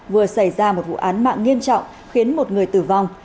vừa xảy ra một vụ án mạng nghiêm trọng khiến một người tử vong